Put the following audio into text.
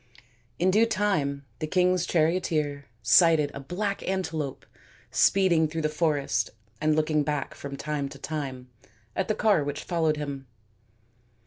In due time the king's charioteer sighted a black antelope speed ing through the forest and looking back from time to time at the car which followed him.